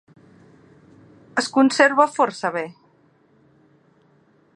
Es conserva força bé.